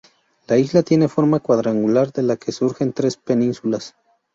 La isla tiene forma cuadrangular, de la que surgen tres penínsulas.